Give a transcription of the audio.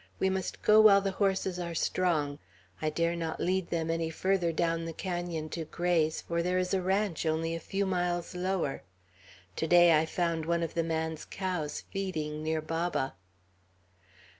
We must go while the horses are strong. I dare not lead them any farther down the canon to graze, for there is a ranch only a few miles lower. To day I found one of the man's cows feeding near Baba."